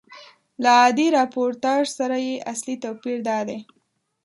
له عادي راپورتاژ سره یې اصلي توپیر دادی.